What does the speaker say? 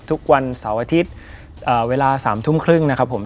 ทุกวันเสาร์อาทิตย์เวลา๓ทุ่มครึ่งนะครับผม